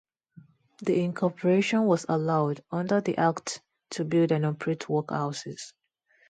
The Incorporation was allowed under the Act to build and operate workhouses.